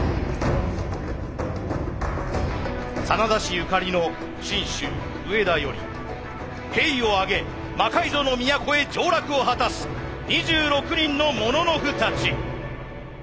真田氏ゆかりの信州上田より兵を挙げ魔改造の都へ上洛を果たす２６人のもののふたち。